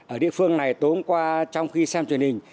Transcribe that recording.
ở địa phương này tối hôm qua trong khi xem truyền hình